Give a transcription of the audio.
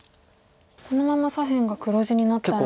このまま左辺が黒地になったら。